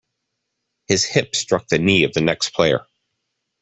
His hip struck the knee of the next player.